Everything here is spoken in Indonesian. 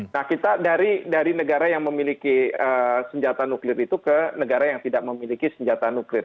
nah kita dari negara yang memiliki senjata nuklir itu ke negara yang tidak memiliki senjata nuklir